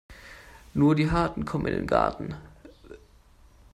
Nur die Harten kommen in den Garten.